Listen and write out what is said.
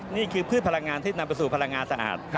นี่คือพืชพลังงานที่ตามไปสู่พลังงานสะอาด